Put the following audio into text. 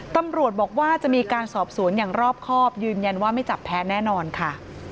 ตำรวจบอกว่าจะมีการสอบสวนอย่างรอบครอบยืนยันว่าไม่จับแพ้แน่นอนค่ะ